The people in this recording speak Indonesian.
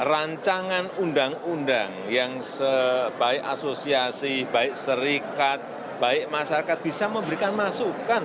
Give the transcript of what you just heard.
rancangan undang undang yang sebaik asosiasi baik serikat baik masyarakat bisa memberikan masukan